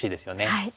はい。